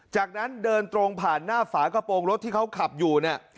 จากนั้นเดินตรงผ่านหน้าฝากระโปรงรถที่เขาขับอยู่เนี่ย